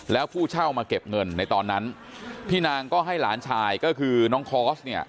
แล้วผู้เช่ามาเก็บเงินในตอนนั้นพี่นางก็ให้หลานชายก็คือน้องคอร์สเนี่ย